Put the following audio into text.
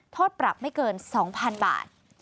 โทษปรับไม่เกิน๒๐๐๐บาท